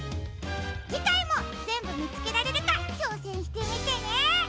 じかいもぜんぶみつけられるかちょうせんしてみてね！